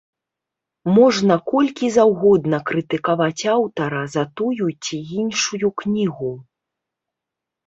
Можна колькі заўгодна крытыкаваць аўтара за тую ці іншую кнігу.